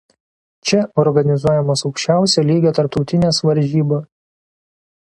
Čia organizuojamos aukščiausio lygio tarptautinės varžybos.